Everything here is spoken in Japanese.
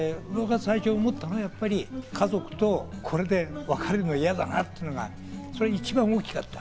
僕が最初に思ったのはやっぱり家族と別れるのが嫌だなっていうのが一番大きかった。